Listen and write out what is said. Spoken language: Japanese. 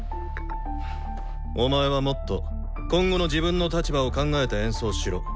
お前はもっと今後の自分の立場を考えて演奏しろ。